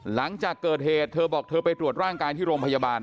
หลังจากเกิดเหตุเธอบอกเธอไปตรวจร่างกายที่โรงพยาบาล